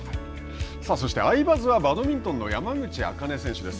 そして、アイバズは、バドミントンの山口茜選手です。